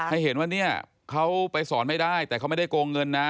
ให้เห็นว่าเนี่ยเขาไปสอนไม่ได้แต่เขาไม่ได้โกงเงินนะ